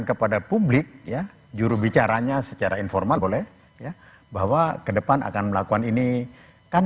kepada publik ya jurubicaranya secara informal boleh ya bahwa kedepan akan melakukan ini kan